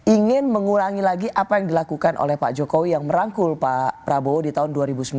ingin mengurangi lagi apa yang dilakukan oleh pak jokowi yang merangkul pak prabowo di tahun dua ribu sembilan belas